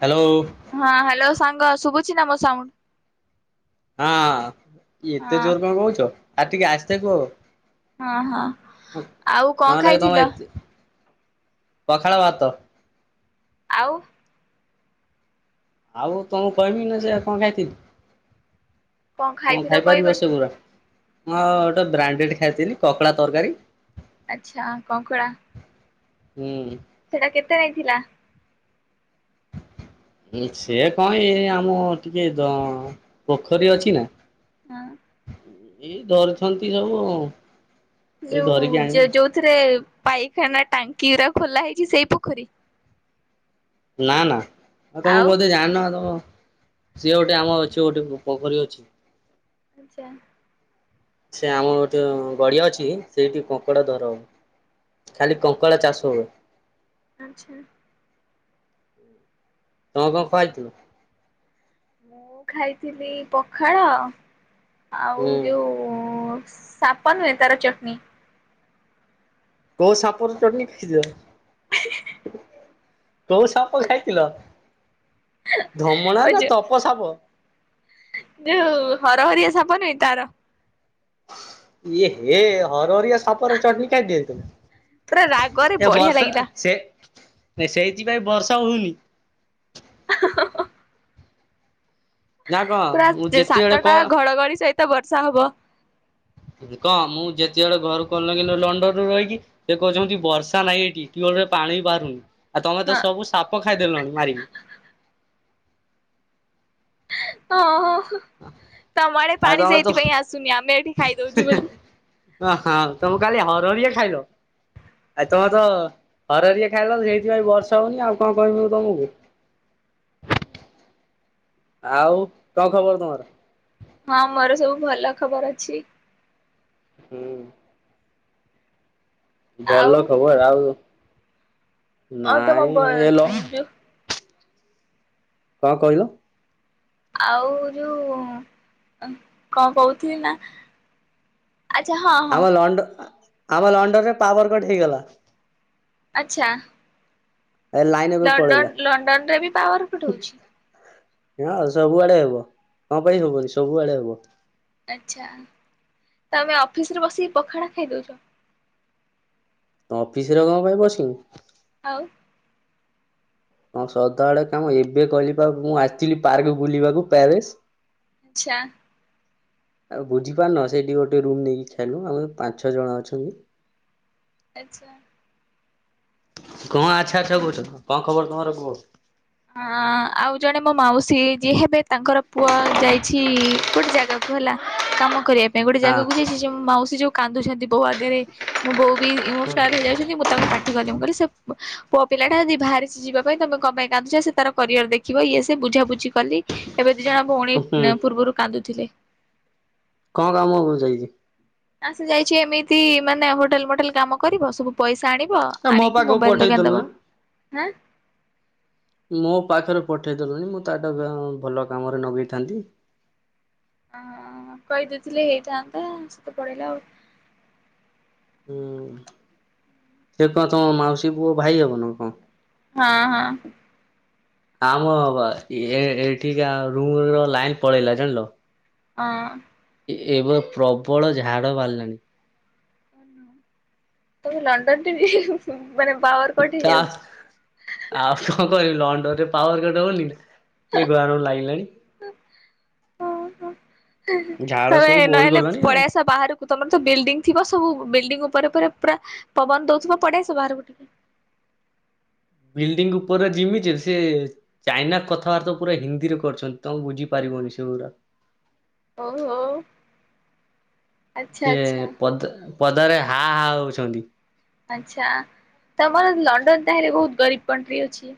Hello! ହଁ hello ସାଙ୍ଗ ଶୁଭୁଛି ନା ମୋ ସାଉଣ୍ଡ? ହଁ ଏତେ ହଁ ଜୋରେ କଣ କହୁଛ, ଆରେ ଟିକେ ଆସ୍ତେ କୁହ। ହଁ ହଁ ଆଉ କଣ ନହେଲେ ଖାଇଥିଲ? ତମେ ଏ ପଖାଳ ଭାତ। ଆଉ ଆଉ ତମକୁ କହିବି ନା ସେଇଆ କଣ [unintelligible] କଣ ଖାଇଥିଲ ଖାଇପାରିବ କହିବନି? ସେଗୁରା? ମ ଗୋଟେ ବ୍ରାଣ୍ଡେଡ୍ ଖାଇଥିଲି କକଡ଼ା ତରକାରୀ। ଆଚ୍ଛା କଙ୍କଡ଼ା ହୁଁ। ସେଟା କେତେ ନେଇଥିଲା? ଏ ସେ କଣ୍ ଇଏ ଆମ ଟିକେ ଅ ପୋଖରୀ ଅଛି ନା ହଁ। ଏଇ ଧରିଛନ୍ତି ସବୁ ଆଉ। ଯଉ ଯଉଥିରେ ପାଇଖାନା ଟାଙ୍କି ରା ଖୋଲା ହେଇଚି ସେଇ ପୋଖରୀ? ନା ନା ଆଉ ତମେ ବୋଧେ ଜାଣିନ ଆଉ ତମ ସିଏ ଗୋଟେ ଆମ ଅଛି ଗୋଟେ ପୋଖରୀ ଅଛି। ଜା। ସେ ଆମ ଗୋଟେ ଗଡିଆ ଅଛି ସେଇଠି କଙ୍କଡା ଧରନ୍ତି। ଖାଲି କଙ୍କଡା ଚାଷ ହୁଏ। ଆଚ୍ଛା। ତମ କଣ ଖାଇଥିଲ? ମୁଁ ଖାଇଥିଲି ପଖାଳ ଆଉ ହୁଁ ଯଉ ଉ ସାପ ନୁହେଁ ତାର [unintelligible] କଉ ସାପର ଚଟଣୀ ଖାଇଚ? କଉ ସାପ ଖାଇଥିଲ? ଧମଣା ନା ତପ ସାପ? ନା ଉ ହରହରିଆ ସାପ ନାହିଁ ତାର। ଇଏ ହେ ହରହରିଆ ସାପର ଚଟ୍ ନୀ ଖାଇଦେଇଥିଲ। ପୁରା ରାଗରେ ଏ ବଢିଆ ବର୍ଷ ଲାଗିଲା ସେ ସେଇଥିପାଇଁ ବର୍ଷା ହଉନି। ନା କଣ ପୁରା ମୁଁ ଯେତେବେଳେ କ ସାତଟା ଘଡ଼ଘଡି ସହିତ ବର୍ଷା ହବ। କଣ୍ ମୁଁ ଯେତେବେଳେ ଘର [unintelligible] ଲଣ୍ଡନରୁୁ ରହିକି ସେ କହୁଚନ୍ତି ବର୍ଷା ନାହିଁ ଏଠି ଟ୍ୟୁବଲ୍ ରେ ପାଣି ବି ବାହାରୁନି। ଆଉ ତମେ ତ ହଁ ସବୁ ସାପ ଖାଇଦେଲଣି ମାରିକି। ହଁ ହଁ ତମ ଆଡେ ଆଉ ପାଣି ତମେ ତ ସେଇଥିପାଇଁ ଆସୁନି ଆମେ ଏଠି ଖାଇଦଉଚୁ ବୋଲି। ଓ ହଁ ତମେ କାଲି ହରହରିଆ ଖାଇଲ? ଆଉ ତମେ ତ ହରହରିଆ ଖାଇଲ ସେଇଥିପାଇଁ ବର୍ଷା ହଉନି ଆଉ କଣ କହିବି ମୁଁ ତମୁକୁ। ଆଉ କଣ୍ ଖବର ତମର? ହଁ ମୋର ସବୁ ଭଲ ଖବର ଅଛି। ହୁଁ। ଆଉ ଭଲ ଖବର ଆଉ ଆଉ ତମ ବ ନାଇଁ ହେଲ ଯୋଉ କଣ୍ କହିଲ? ଆଉ ଯଉ ଉଁ କଣ୍ କହୁଥିଲି ଆଚ୍ଛା ହଁ। ହଁ ଆମ ଲଣ୍ଡ ଆମ ଲଣ୍ଡନ ରେ ପାୱରକଟ୍ ହେଇଗଲା। ଆଚ୍ଛା। ଏ ଲାଇନ୍ ଏବେ ପଳେଇଲା। ଲଣ୍ଡନ୍ ଲଣ୍ଡନ୍ ରେ ବି ପାୱାର କଟ୍ ହଉଚି? ହଁ ସବୁଆଡେ ହବ କଁ ପାଇଁ ହବନି ସବୁଆଡେ ହବ। ଆଚ୍ଛା ତମେ ଅଫିସ୍ ରେ ବସିକି ପଖାଳ ଖାଇଦଉଚ? ଅଫିସ୍ ରେ କଁ ପାଇଁ ବସିବି। ଆଉ। କଁ ସଦାବଳେ କାମ ଏବେ କହିଲି ପା ମୁଁ ଆସିଥିଲି ପାର୍କ ବୁଲିବାକୁ ପ୍ୟାରେସ୍। ଚ୍ଛା। ଆଉ ବୁଝିପାରୁନ ସେଇଟି ଗୋଟେ ରୁମ୍ ନେଇକି ଖେଲୁ ଆମେ ପାଞ୍ଚ ଜଣ ଅଛନ୍ତି। ଆଚ୍ଛା। କଁ ଆଚ୍ଛା ଆଚ୍ଛା କହୁଚ କଁ ଖବର ତମର କୁହ? ହଁ ଆଉ ଜଣେ ମୋ ମାଉସୀ ଯିଏ ହେବେ ତାଙ୍କର ପୁଅ ଯାଇଛି ଗୋଟେ ଜାଗାକୁ ହେଲା। କାମ କରିବା ପାଇଁ ଗୋଟେ ହଁ ଜାଗାକୁ ଯାଇସି ମାଉସୀ ଯୋଉ କାନ୍ଦୁଛନ୍ତି ବୋଉ ଆଗେରେ। ମୁଁ ବୋଉ ବି ଇମୋସନାଲ ହେଇଯାଉଛନ୍ତି ମୁଁ ତାକୁ ପା ଟି କଲି ମୁ କହିଲି ସେ ପଅ ପିଲା ଟା ଯଦି ବାହାରିଚି ଯିବା ପାଇଁ ତମେ କଁ ପାଇଁ ଗାଧୁଛା ସେ ତାର କରିଅର ଦେଖିବ ଇଏ ସିଏ ବୁଝାବୁଝି କଲି। ଏବେ ଦି ଜଣ ଭଉଣୀ ହୁଁ ପୂର୍ବରୁ କାନ୍ଦୁଥିଲେ। କଁ କାମ କୁ ଯାଇଚି। ନା ସେ ଯାଇଛି ଏମିତି ମାନେ ହୋଟେଲ ମୋଟେଲ କାମ କରିବ ସବୁ। ପଇସା ଆଣିବ ଏ ମୋ ଆଣିକି ପାଖକୁ ମୋବାଇଲ ଦୋକାନ ପଠେଇଦେଲୁନି। ଦବା। ମୋ ପାଖରେ ପଠେଇଦେଲଣି ମୁଁ ତାଠାରୁ ଭଲ କାମରେ ନଗେଇଥାନ୍ତି। ଅ କଇଦେଇଥିଲେ ହେଇଥାନ୍ତା ସେତ ପଳେଇଲା ଆଉ। ହୁଁ ସେ କଣ ତମ ମାଉସୀ ପୁଅ ଭାଇ ହବନ କଁ? ହଁ ହଁ। ଆମ ଏ ଏଠିକା ରୁମ ର ଲାଇନ୍ ପଳେଇଲା ଜାଣିଲ। ଆଁ। ଏବ ପ୍ରବଳ ଝାଡ଼ ବାରିଲାଣି। ତମେ ଲଣ୍ଡନ ଟିଭି [unintelligible] ମାନେ ପାୱାରକଟ ତା ହେଇଯାଉଚି। ଆଉ କଁ କରି ଲଣ୍ଡ ରେ ପାୱାର କଟ୍ ହଉନି। କି ଗରମ୍ ଲାଗିଲାଣି। ଝାଡ ତମେ ସବୁ ବୋହି ନହେଲେ ଗଲାଣି ଆଉ। ପଳେଇ ଆସ ବାହାରକୁ ତମର ତ ବିଲ୍ଡିଙ୍ଗଂ ଥିବ ସବୁ ବିଲ୍ଡିଙ୍ଗ ଉପରେ ପରେ ପୁରା ପବନ ଦଉଥିବ ପଡେଆସ ବାହାରକୁ ଟିକେ। ବିଲ୍ଡିଂ ଉପରେ ଜିମି ଯେ ସେ ଚାଇନାର୍ କଥାବାର୍ତ୍ତା ପୁରା ହିନ୍ଦୀରେ କରିଛନ୍ତି ତମେ ବୁଝିପାରିବନି ସେଗୁୁରା। ଓହୋ। ଆଚ୍ଛା ସିଏ ଆଚ୍ଛା ପଦ ପଦାରେ ହା ହା ହଉଛନ୍ତି। ଆଚ୍ଛା ତମର ଲଣ୍ଡନ ତାହେଲେ ବହୁତ ଗରିବ କଣ୍ଟ୍ରି ଅଛି।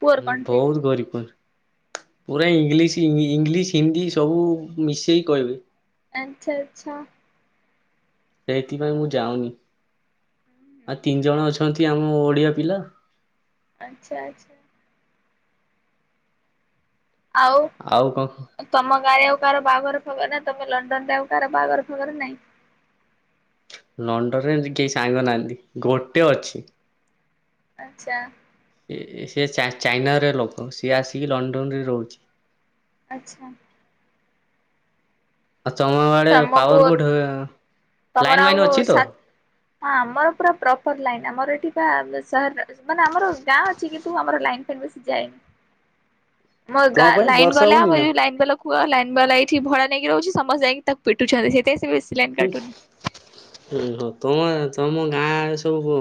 ପୁଅର ହୁଁ କଣ୍ଟ୍ରି ବହୁତ ଗରିପର। ପୁରା ଇଂଲିଶ ଇଂଲିଶ ହିନ୍ଦୀ ସବୁ ମିଶେଇ କହିବେ। ଆଚ୍ଛା ଆଚ୍ଛା। ସେଇଥିପାଇଁ ମୁଁ ଯାଉନି, ଆ ତିନି ଜଣ ଅଛନ୍ତି ଆମ ଓଡିଆ ପିଲା। ଆଚ୍ଛା ଆଚ୍ଛା। ଆଉ। ଆଉ କଁ? ତମ ଗାଁରେ ଆଉ କାହାର ବାଗର ଫାଗର ନା ତମ ଲଣ୍ଡନ ରେ ଆଉ କାହାର ବାଗର ଫାଗର ନାଇଁ। ଲଣ୍ଡରେ କେହି ସାଙ୍ଗ ନାହାନ୍ତି ଗୋଟେ ଅଛି। ଆଚ୍ଛା। ସେ ଚାଇନାର ଲୋକ ସିଏ ଆସିକି ଲଣ୍ଡନରେ ରହୁଛି। ଆଚ୍ଛା। ଆଉ ଚମ ବଡେ ତମକୁ ପାୱରକୋଟ ହୁଏ। ତମର ଆଉ ସ ହଁ ଆମର ପୁରା ପ୍ରପର ଲାଇନ ଆମର ଏଠିକା ସହର। ମାନେ ଆମର ଗାଁ ଅଛି କି ତୁ ଆମର ଲାଇନ ପାଇଁ ବେଶ ଯାଏନି। ମୋ କଣ ପାଇଁ ଲାଇନ୍ ବର୍ଷା ଗଲେ ହଉନି ଆମର ନା? ଲାଇନ୍ ଗଲା। ହୁ ଲାଇନ ବା ଲାଗଇଠ ଭଡା ନେଇକି ରହୁଛି ସମସ୍ତେ ଯାଇକି ତାକୁ ପିଟୁଛନ୍ତି ସେଇଥିପାଇଁ ସେ ଲାଇନ କାଟୁନି। ଉ ହୋ ତମ ତମ ଗାଁରେ ସବୁ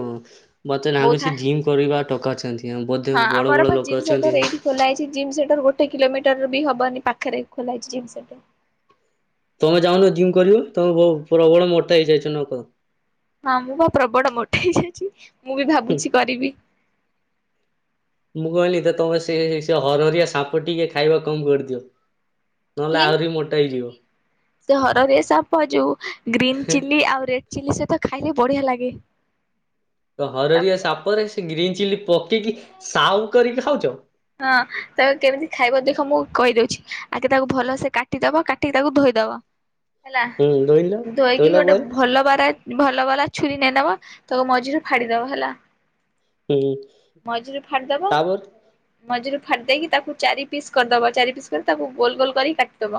ମୋତେ ବହୁତ ହା ଲାଗୁଛି ଜିମ୍ କରିବା ଟକା ଅଛନ୍ତି ଆ ବୋଧେ ବଡ଼ ବଡ଼ ଲୋକ ଅଛନ୍ତି। ଖୋଲାହେଇଛି ଜିମ୍ ସେଣ୍ଟର ଗୋଟେ କିଲୋମିଟର ବି ହବନି ପାଖରେ ଖୋଲାଇଛି ଜିମ୍ ସେଣ୍ଟର। ତମେ ଯାଉନ ଜିମ୍ କରିବ ତମେ ବ ପ୍ରବଳ ମୋଟା ହେଇଯାଇଛ ନ କ ହଁ ମୁଁ ବା ପ୍ରବଳ ମୋଟେ ହେଇଯାଇଛି ମୁଁ ବି ଭାବୁଛି କରିବି। ମୁଁ କହିଲି ତ ତମେ ସେ ସେ ହରହରିଆ ସାପ ଟିକେ ଖାଇବା କମ କରିଦିଅ। ନହେଲେ କି ଆହୁରି ମୋଟା ହେଇଯିବ। ସେ ହରରେ ସପ ଯଉ ଗ୍ରୀନ ହେଁ ଚି ଆଉ ରେଡ ଚି ସହିତ ଖାଇଲେ ବଢିଆ ଲାଗେ। ତ ହରହରିଆ ତା ସାପରେ ସେ ଗ୍ରୀନ ଚିଲି ପକେଇକି ସାଉ କରିକି ଖାଉଛ? ହଁ ତାକୁ କେମିତି ଖାଇବ ଦେଖ ମୁଁ କହିଦଉଛି ଆଗେ ତାକୁ ଭଲସେ କାଟିଦବା କାଟିକ ତାକୁ ଧୋଇଦବା ହେଲା ହୁଁ ଧୋଇଲ ଧୋଇକି ଧୋଇଲା ଗୋଟେ ପରେ ଭଲ ଭାବରେ ଭଲ ବାଲା ଛୁରୀ ନେଇ ନବା ତାକୁ ମଝିରୁ ଫାଡ଼ିଦବା ହେଲା। ହୁଁ ମଝିରୁ ଫାଡିଦବ। ତାପରେ ମଝିରୁ ଫାଡି ଦେଇକି ତାକୁ ଚାରି ପିସ୍ କରିଦବ ଚାରି ପିସ୍ କରି ତାକୁ ଗୋଲ ଗୋଲ କରିକିାଟିଦବ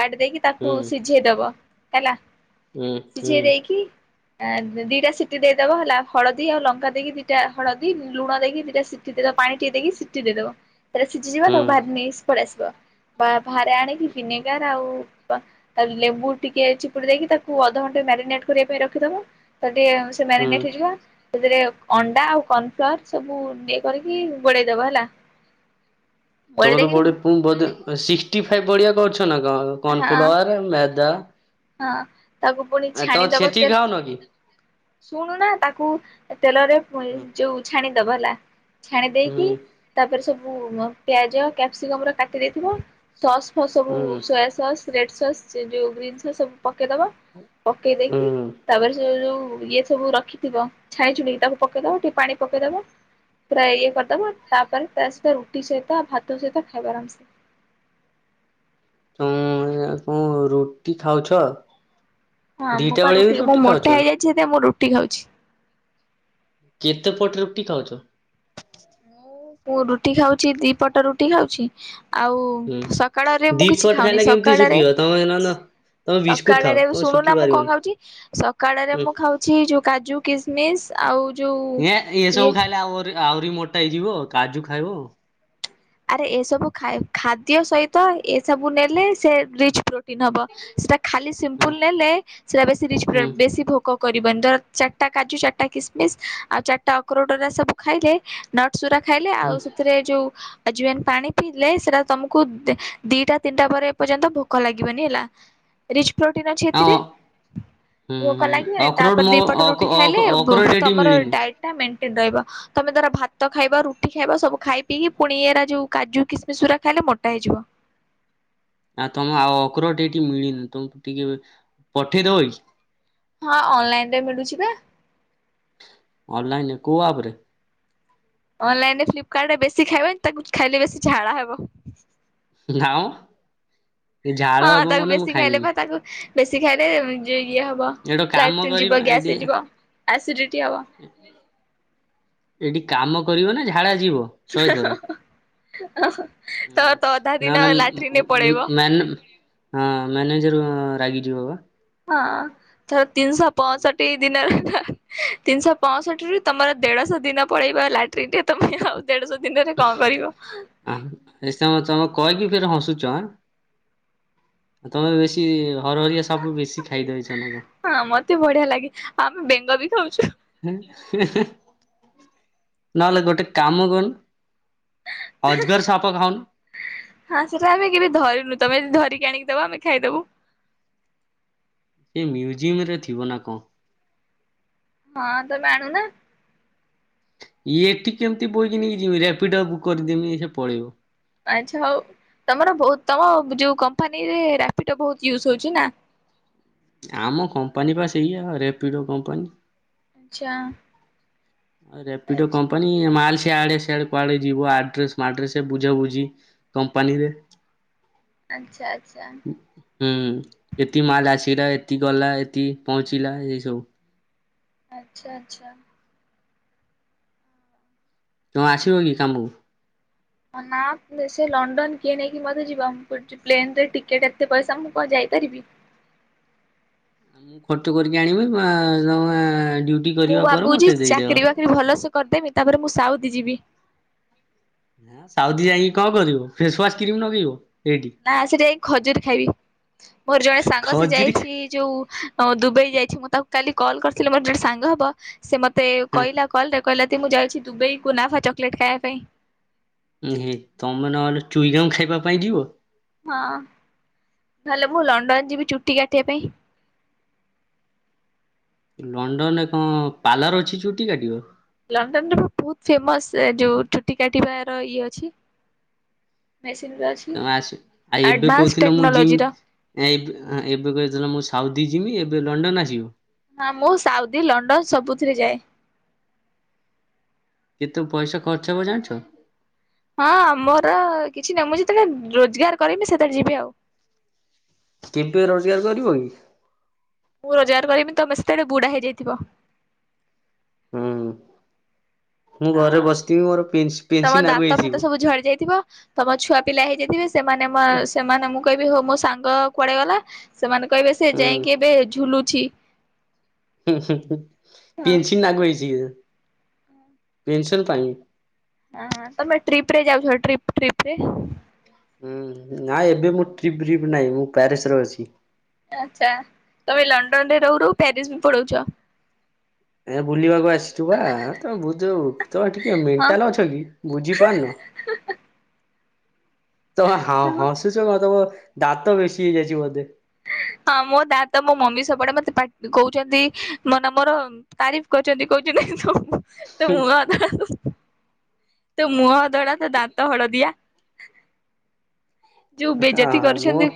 କାଟି ଦେଇକି ତାକୁ ହୁଁ ସିଝେଇ ଦବ ହେଲା ହୁଁ ହୁଁ ସିଝେଇ ଦେଇକି ଦିଟା ସିଟି ଦେଇଦବ ହେଲା ହଳଦୀ ଆଉ ଲଙ୍କା ଦେଇକି ଦିଟା ହଳଦୀ ଲୁଣ ଦେଇକି ଦିଟା ସିଟି ପାଣି ଟିକେ ଦେଇକି ସିଟି ଦେଇଦବ ତାପରେ ସିଝୀ ଯିବ ତା ହୁଁ ପରେ ଭାରି ଟେଷ୍ଟେ ପଳେଇ ଆସିବ। ବା ଭାର ଆଣ କି ଭିନେଗାର ଆଉ ତା ଲେମ୍ବୁ ଟିକେ ଚିପୁଡି ଦେଇକି ତାକୁ ଅଧଘଣ୍ଟେ ମ୍ୟାରିନେଟ କରିବା ପାଇଁ ରଖିଦବା ତା ଟିକେ ହୁଁ। ମାରିନେଟ ହେଇଯିବ ସେଥିରେ ଅଣ୍ଡା ଆଉ କର୍ଣ ଫ୍ଲାୱାର ସବୁ ଇଏ କରିକି ଘୋଡେଇ ଦବା ହେଲା। ତମ ଗୋଳେଇ ତ ଦେଇକି ବ ବ ସିକ୍ସଟି ଫାଇଭ ବଆ କରଛ ନା କ ହଁ କର୍ଣଫ୍ଲୋୱାର ମେଦା [inaudible] ହଁ, ତାକୁ ପୁଣି ଆ ତ ଛାଣିଦବ ଛେଚିକି ତେଲ ଖାଉନ କି? ଶୁଣୁ ନା ତାକୁ ତେଲରେ ହୁଁ ଯୋଉ ଛାଣିଦବ ହେଲା ଛାଣି ଦେଇକି ତାପରେ ସବୁ ପିଆଜ କ୍ୟାପ୍ସିକମ ର କାଟି ଦେଇଥିବ ସସ୍ ଫ ସବୁ ହୁଁ ସୋୟା ସସ୍ ରେଡ ସସ୍ ଯୋଉ ଗ୍ରୀନ୍ ସସ୍ ସବୁ ପକେଇଦବ ପକେଇ ହୁଁ ଦେଇକି ହୁଁ। ତାପରେ ସେ ଯୋଉ ଇଏ ସବୁ ରଖିଥିବ ଛାଣି ଛୁଣିକି ତାକୁ ପକେଇଦବ ଟିକେ ପାଣି ପକେଇଦବ। ପୁରା ଇଏ କରିଦବ ତାପରେ ତା ସହିତ ରୁଟି ସହିତ ଭାତ ସହିତ ଖାଇବା ଆରାମସେ ହଁ, ଏଇନା କଣ ରୁଟି ଖାଉଛ? ହଁ, ମୁଁ ଦିଟା ବା ବେଳେ ବି ରୁଟି ମୁଁ ଖାଉଛ? ମୋଟା ହେଇଯାଇଛି ସେଥି ପାଇଁ ମୁଁ ରୁଟି ଖାଉଛି। କେତେ ପଟ ରୁଟି ଖାଉଛ? ମୁଁ ରୁଟି ଖାଉଛି ଦି ପଟ ରୁଟି ଖାଉଛି। ଆଉ ହୁଁ ସକାଳରେ ଦି ମୁଁ କିଛି ପଟ ଖାଉନି ଖାଇଲେ କେମିତି ସକାଳରେ ଶୁଖିବ ତମେ ନହେଲେ ତମେ ବିସ୍କୁଟ ଖାଅ ସକାଳରେ ତମେ ଶୁଖି ଶୁଣୁନା ମୁଁ କଣ ପାରିବନି। ଖାଉଛି ସକାଳରେ ହୁଁ ମୁଁ ଖାଉଛି ଯୋଉ କାଜୁ ଖିସ୍ ମିସ୍ ଆଉ ଯେଉଁ ଏ ଇଏ ଏସବୁ ଖାଇଲେ ଆହୁରି ଆହୁରି ମୋଟା ହେଇଯିବ କାଜୁ ଖାଇବ। ଆରେ ଏସବୁ ଖାଦ୍ୟ ସହିତ ଏ ସବୁ ନେଲେ ସେ ରିଚ୍ ପ୍ରୋଟିନ ହବ ସେଟା ଖାଲି ହୁଁ ସିମ୍ପଲ ନେଲେ ସେଟା ବେଶି ରିଚ୍ ହୁଁ ବେଶି ଭୋକ କରିବ ଦରକାର ତ ଚାରିଟା କାଜୁ ଚାରିଟା କିସମିସ୍ ଆଉ ଚାରିଟା ଅକରୋଟଗୁରାକ ସବୁ ଖାଇଲେ ନଟସ୍ ଗୁରାକ ଖାଇଲେ ଆଉ ହୁଁ ସେଥିରେ ଯୋଉ ଆଜୱାଇନ୍ ପାଣି ପିଇଲେ ସେଟା ତମକୁ, ଦିଟା ତିନିଟା ପରେ ଏ ପର୍ଯ୍ୟନ୍ତ ଭୋକ ଲାଗିବନି ହେଲା। ରିଚ୍ ପ୍ରୋଟିନ୍ ଅଛି ଏଥିରେ। ଆଉ ହୁଁ ଭୋକ ହୁଁ ଲାଗିବନି, ଅକ୍ରୋଟ ତାପରେ ମୋ ଦିପଟ ଅକ ରୁଟି ଅକ ଖାଇଲେ ଅକ୍ରୋଟ ଏଠି ତମର ମିଳିନି। ଡାଏଟ୍ ଟା ମେଣ୍ଟେନ୍ ରହିବ। ତମେ ଧର ଭାତ ଖାଇବ, ରୁଟି ଖାଇବ, ସବୁ ଖାଇ ପିଇକି ପୁଣି ଏଇ ଏରା ଯୋଉ କାଜୁ ଖିସମିସ୍ ଗୁରାକ ଖାଇଲେ ମୋଟା ହେଇଯିବ। ଆଉ ତମ ଆଉ ଅଖରୋଟ ଏଠି ମିଳିନି। ତମକୁ ଟିକେ କେବେ ପଠେଇଦବ କି? ହଁ, ଅନଲାଇନରେ ମିଳୁଛି ବା। ଅନଲାଇନରେ, କୋଉ ଆପରେ? ଅନଲାଇନରେ ଫ୍ଲିପକାର୍ଟରେ, ବେଶୀ ଖାଇବନି, ତାକୁ ଖାଇଲେ ବେଶୀ ଝାଡ଼ା ହେବ। ଲା ଅଁ ହଁ, ତାକୁ ବେଶୀ ଖାଇଲେ ଖାଇମିନି। ବା, ତାକୁ ବେଶୀ ଖାଇଲେ ଉମ୍ ଇଏ ହବ ବ। ଏଠି କାମ ଲାଟିନ କରିବ ଯିବ, ଏଠି ଗ୍ୟାସ ହେଇଯିବ, ଏସିଡିଟି ହବ। ଏଠି କାମ କରିବ ନା ଝାଡ଼ା ଯିବ, ଶହେ ଥର। ତ ହୁଁ, ତ ଅଧା ନା ଦିନ ନା ଲାଟ୍ରିନରେ ପଳେଇବ। ମୁଁ-ମୁଁ-ମୁଁ ମାନ ହଁ, ମ୍ୟାନେଜର ରାଗିଯିବ ବା। ହଁ, ଧର ତିନିଶହ ପଅଁଷଠି ଦିନ ତିନିଶହ ପଞ୍ଚଷଠିରୁ ତମର ଦେଢଶହ ଦିନ ପଳେଇବ ଲାଟ୍ରିନ୍‌ରେ, ତମେ ଆଉ ଦେଢଶହ ଦିନରେ କଣ କରିବ? [unintelligible] କହିକି ଫେରେ ହଁସୁଚ ଆଁ? ଆଉ ତମେ ବେଶୀ ହରହରିଆ ସବୁ ବେଶୀ ଖାଇଦଉଚ ନା କ? ହଁ, ମତେ ବଢିଆ ଲାଗେ, ଆମ ବେଙ୍ଗ ବି ଖାଉଛୁ। ନହେଲେ ଗୋଟେ କାମ କରୁନୁ ଅଜଗର ସାପ ଖାଉନୁ। ହଁ ସେଟା ଆମେ କେବେ ଧରିନୁ, ତମେ ଯଦି ଧରିକି ଆଣିକି ଦବ, ଆମେ ଖାଇଦବୁ। ଏ ମ୍ୟୁଜିୟମରେ ଥିବ ନା କଣ? ହଁ, ତମେ ଆଣୁନା। ଇଏ ଏଠି କେମତି ବୋହିକି ନେଇକି ଯିବି? ରାପିଡ ବୁକ କରିଦେମି ସେ ପଳେଇବ। ଆଚ୍ଛା ହଉ, ତମର ବହୁତ ତମ ଯୋଉ କମ୍ପାନୀରେ ରାପିଡୋ ବହୁତ ୟୁଜ ହଉଛି ନା? ଆମ କମ୍ପାନୀ ବା ସେଇଆ ରେପିଡୋ କମ୍ପାନୀ। ଆଚ୍ଛା। ଆ ରାପିଡୋ କମ୍ପ ମ୍ପାନୀ, ମାଲ ସିଆଡେ ସିଆଡେ କୁଆଡେ ଯିବ ଆଡ୍ରେସ ମାଡ୍ରେସ ବୁଝା ବୁଝି କମ୍ପାନୀରେ ଆଚ୍ଛା, ଆଚ୍ଛା। ହୁଁ। ଏତିକି ମାଲ ଆସିଲା, ଏତିକି ଗଲା, ଏତିକି ପହଞ୍ଚିଲା, ଏଇସବୁ। ଆଚ୍ଛା, ଆଚ୍ଛା। ତମେ ଆସିବ କି କାମକୁ? ହ ନା କିଏ ସେ ଲଣ୍ଡନ କିଏ ନେଇକି ମତେ ଯିବ? ମୁଁ ପଡୁଚି ପ୍ଲେନରେ ଟିକେଟ ଏତେ ପଇସା ମୁଁ କଣ ଯାଇପାରିବି? ମୁଁ ଖଟି କରିକି ଆଣିବି, ବା ତମେ ଡିଉଟି ମୁଁ ଭାବୁଛି ଚାକିରୀ ବାକିରି ଭଲସେ କରିଦେମି, ତାପରେ ମୁଁ ସାଉଦି ଯିବି। ଆଁ ସାଉଦି ଯାଇକି କଣ କରିବୁ, ଫେସୱାସ କ୍ରିମ ନଗେଇବୁ? ନା ସେଠି ଯାଇଁକି ଖଜୁରୀ ଖାଇବି। ମୋର ଜଣେ ସାଙ୍ଗ ସେ ଖଜୁରୀ ଯାଇଛି ଯୋଉ ଦୁବାଇ ଯାଇଛି, ମୁଁ ତାକୁ କାଲି କଲ୍ କରିଥିଲି ମୋର ଜଣେ ସାଙ୍ଗ ହବ ସେ ମତେ ଖା କଇଲା କଲରେ କହିଲା, ତି ମୁଁ ଯାଉଛି ଦୁବେଇ କୁନାଫା ଚକୋଲେଟ ଖାଇବା ପାଇଁ। [unintelligible] ତମେ ନହେଲେ ଚୁଇଙ୍ଗମ୍ ଖାଇବା ପାଇଁ ଯିବ? ହଁ, ନହେଲେ ମୁଁ ଲଣ୍ଡନ ଯିବି ଚୁଟି କାଟିବା ପାଇଁ। ଲଣ୍ଡନ ରେ କଣ ପାର୍ଲର ଅଛି ଚୁଟି କାଟିବ? ଲଣ୍ଡନରେ ବା ବହୁତ ଫେମସ ଯୋଉ ଚୁଟି କାଟିବାର ଇଏ ଅଛି। ମେସିନ ପା ଅଛି ତମେ ଆସ ଆଡଭାନ୍ସ ଟେକ୍ନୋଲୋଜିର। ଏବ ଆଁ ଏବେ କହିଥିଲ ମୁଁ ସାଉଦି ଯିବି ଏବେ ଲଣ୍ଡନ ଆସିବ। ହଁ, ମୁଁ ସାଉଦି, ଲଣ୍ଡନ ସବୁଥିରେ ଯାଏ। କେତୁ ପଇସା ଖର୍ଚ୍ଚ ହେବ ଜାଣିଛ? ହଁ, ମୋର କିଛି ନାହିଁ ମୁଁ ଯେତେବେଳେ ରୋଜଗାର କରିମି ସେତେବେଳେ ଯିବି ଆଉ। କେବେ ରୋଜଗାର କରିବ କି? ମୁଁ ରୋଜଗାର କରିବି ତମେ ସେତେବେଳେ ବୁଢା ହେଇଯାଇଥିବ। ହୁଁ। ମୁଁ ହ ଘରେ ବସିଥିବି ମୋର ପେନ୍ସ ତମ ପେନ୍ସନ୍ ଆଗୁଆ ଦାନ୍ତ ହେଇଯିବ। ଫାତ ସବୁ ଝଡ଼ି ଯାଇଥିବ। ତମ ଛୁଆ ପିଲା ହେଇ ଯାଇଥିବେ ସେମାନେ ମା ସେମାନେ ମୁଁ କହିବି ହଉ ମୋ ସାଙ୍ଗ କୁଆଡ଼େ ଗଲା? ସେମାନେ କହିବେ ସେ ହୁଁ ଯାଇଁକି ଏବେ ଝୁଲୁଛି। ହଁ [unintelligible] ହଁ, ତମେ ଟ୍ରିପରେ ଯାଉଛ ଟ୍ରିପ -ଟ୍ରିପ ରେ? ହୁଁ, ନାଁ ଏବେ ମୁଁ ଟ୍ରିପ ଫ୍ରିପ ନାହିଁ ମୁଁ ପ୍ୟାରିସ ରେ ଅଛି। ଆଚ୍ଛା ତମେ ଲଣ୍ଡନ ରେ ରହୁ ରହୁ ପ୍ୟାରିସ ବି ପଳଉଛ। ଏ ବୁଲିବାକୁ ଆସିଛୁ ବା ତମ ବୁଝ, ତମେ ଟିକେ ହଁ ମେଣ୍ଟାଲ ଅଛ କି ବୁଝିପାରୁନ? [inaudible] ତ ହାଁ ହସୁଛ କଣ ତମ ଦାନ୍ତ ବେଶୀ ହେଇଯାଇଛି ବୋଧେ। ହଁ ମୋ ଦାତ ମୋ ମମି ସବୁବଡେ ମତେ ପାଟ କହୁଛନ୍ତି ମୋନା ମର ତାରିଫ କରୁଛନ୍ତି କହୁଛନ୍ତି ତୋ ହଁ ମୁଁହ ଧଳା, ତୋ ଦାନ୍ତ ହଳଦିଆ। ଯୋଉ ବେଜେତି ହଁ ମୁଁ କରୁଛନ୍ତି